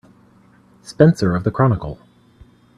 Spencer of the Chronicle.